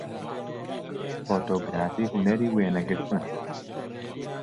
فۆتۆگرافی هونەری وێنەگرتنە